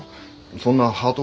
そんなハート